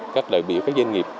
các đại biểu các doanh nghiệp